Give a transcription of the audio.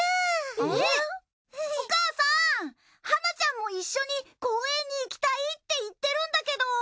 えっお母さんはなちゃんも一緒に公園に行きたいって言ってるんだけど。